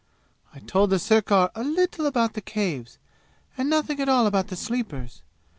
I told the sirkar a little about the Caves, and nothing at all about the Sleepers.